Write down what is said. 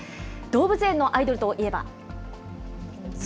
動物園のアイドルといえば。